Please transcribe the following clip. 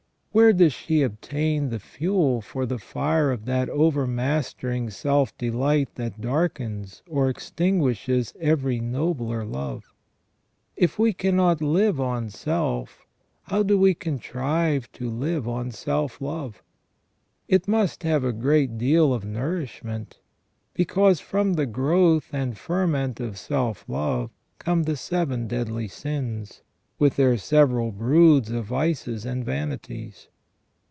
Where does she obtain the fuel for the fire of that overmastering self delight that darkens or ex tinguishes every nobler love ? If we cannot live on self, how do we contrive to live on self love ? It must have a great deal of nourishment, because from the growth and ferment of self love come the seven deadly sins, with their several broods of vices and vanities.